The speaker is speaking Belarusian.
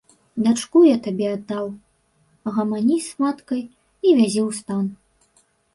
Дачку я табе аддаў, гамані з маткай і вязі ў стан.